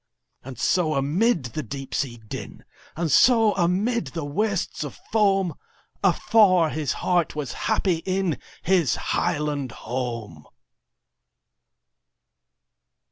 And so amid the deep sea din, And so amid the wastes of foam, Afar his heart was happy inHis highland home!